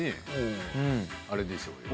あれでしょうよ。